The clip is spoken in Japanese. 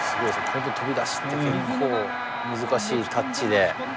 本当に飛び出して結構難しいタッチで。